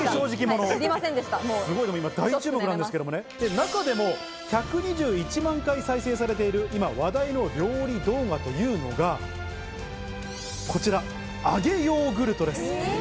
中でも１２１万回再生されている今話題の料理動画というのがこちら、揚げヨーグルトです。